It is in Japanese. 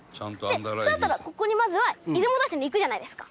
で普通だったらここにまずは出雲大社に行くじゃないですか。